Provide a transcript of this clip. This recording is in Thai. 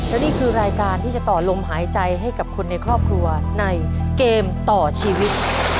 และนี่คือรายการที่จะต่อลมหายใจให้กับคนในครอบครัวในเกมต่อชีวิต